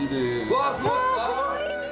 うわすごい！